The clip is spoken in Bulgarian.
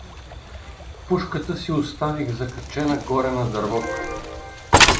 Пушката си оставих закачена горе на дървото.